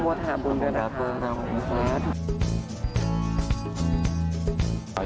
ขอบคุณครับ